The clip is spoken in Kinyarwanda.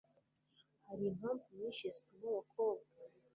hari impamvu nyinshi zituma abakobwa